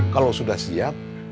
kalau sudah siap